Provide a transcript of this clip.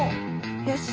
よし！